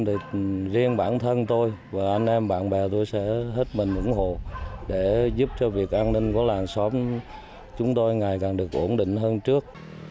thì riêng bản thân tôi và anh em bạn bè tôi sẽ hết mình ủng hộ để giúp cho việc an ninh của làng xóm chúng tôi ngày càng được ổn định hơn trước